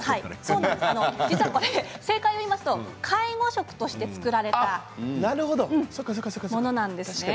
正解を言いますと介護食として作られたものなんです。